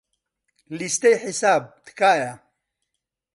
لیستەی حساب، تکایە.